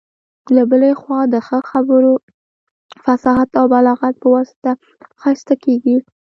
له بلي خوا د ښه خبرو، فصاحت او بلاغت په واسطه ښايسته کيږي.